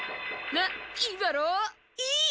なっいいだろう？いい！